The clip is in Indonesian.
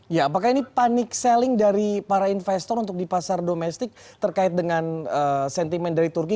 ya apakah ini panik selling dari para investor untuk di pasar domestik terkait dengan sentimen dari turki